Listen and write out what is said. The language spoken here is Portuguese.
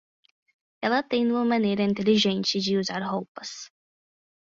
Ela tem uma maneira inteligente de usar roupas.